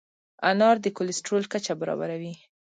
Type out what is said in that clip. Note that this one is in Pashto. انار د کولیسټرول کچه برابروي.